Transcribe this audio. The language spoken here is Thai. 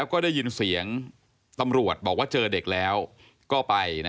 ตกลงไปจากรถไฟได้ยังไงสอบถามแล้วแต่ลูกชายก็ยังไง